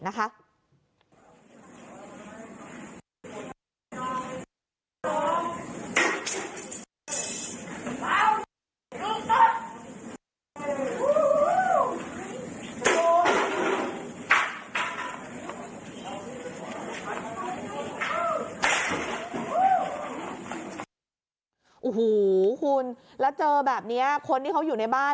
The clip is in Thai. โอ้โหคุณแล้วเจอแบบนี้คนที่เขาอยู่ในบ้าน